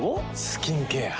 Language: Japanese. スキンケア。